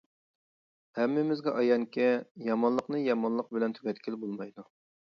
ھەممىمىزگە ئايانكى، يامانلىقنى يامانلىق بىلەن تۈگەتكىلى بولمايدۇ.